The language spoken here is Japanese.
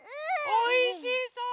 おいしそう！